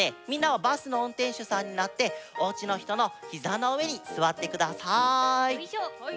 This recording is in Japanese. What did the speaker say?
みんなはバスのうんてんしゅさんになっておうちのひとのひざのうえにすわってください。